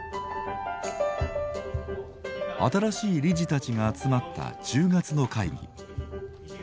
新しい理事たちが集まった１０月の会議。